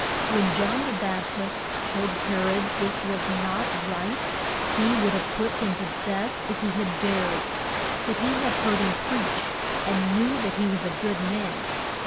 When John the Bap tist told He rod this was not right, he would have put him to death if he had dared. But he had heard him preach, and knew that he was a good man.